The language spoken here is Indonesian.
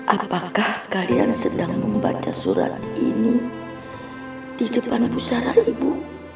apakah kalian sedang membaca surat ini di depan pusaran ibu